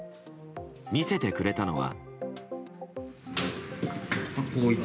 見せてくれたのは。